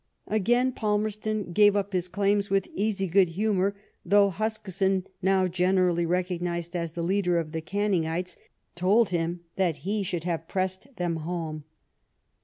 Again Palmer ston gave up his claims with easy good humour^ though Huskisson, now generally recognised as the leader of the Canningites, told him that he should have pressed them home.